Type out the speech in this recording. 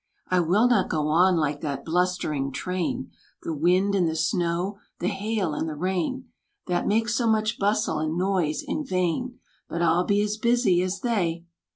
I will not go on like that blustering train, The wind and the snow, the hail and the rain, That make so much bustle and noise in vain. But I'll be as busy as they!"